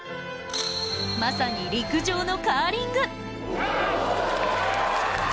まさに陸上のカーリング。